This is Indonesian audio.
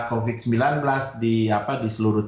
covid sembilan belas di seluruh